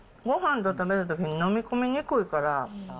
ごはんと食べたときに飲み込みにくいから。